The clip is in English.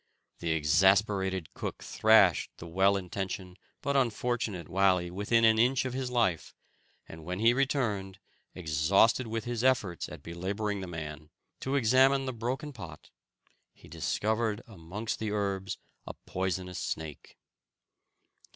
The exasperated cook thrashed the well intentioned but unfortunate Wali within an inch of his life, and when he returned, exhausted with his efforts at belaboring the man, to examine the broken pot, he discovered amongst the herbs a poisonous snake.